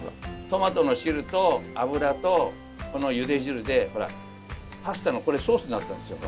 トマトの汁と油とこのゆで汁でほらパスタのソースになったんですよ。